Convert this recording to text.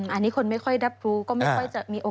อันนี้คนไม่ค่อยรับรู้ก็ไม่ค่อยจะมีโอกาส